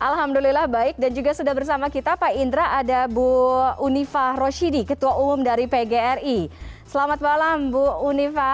alhamdulillah baik dan juga sudah bersama kita pak indra ada bu unifah roshidi ketua umum dari pgri selamat malam bu unifa